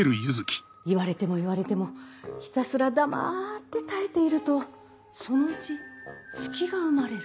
言われても言われてもひたすら黙って耐えているとそのうち隙が生まれる。